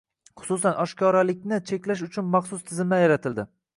Hususan, oshkoralikni cheklash uchun maxsus tizimlar yaratildi